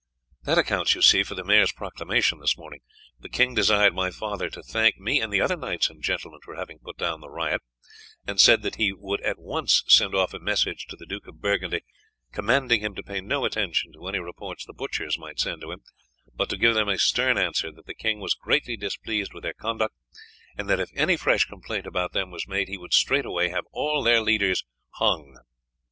"That accounts, you see, for the Maire's proclamation this morning. The king desired my father to thank me and the other knights and gentlemen for having put down the riot, and said that he would at once send off a message to the Duke of Burgundy commanding him to pay no attention to any reports the butchers might send to him, but to give them a stern answer that the king was greatly displeased with their conduct, and that if any fresh complaint about them was made he would straightway have all their leaders hung.